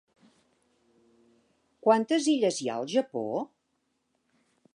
Quantes illes hi ha al Japó?